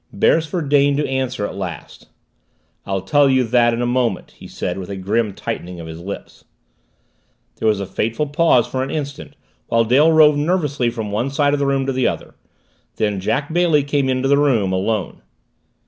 Beresford deigned to answer at last. "I'll tell you that in a moment," he said with a grim tightening of his lips. There was a fateful pause, for an instant, while Dale roved nervously from one side of the room to the other. Then Jack Bailey came into the room alone.